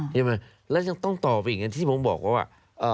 ใช่ไหมแล้วยังต้องตอบไปอีกอย่างที่ผมบอกว่า